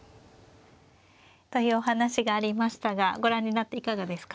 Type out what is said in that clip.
というお話がありましたがご覧になっていかがですか。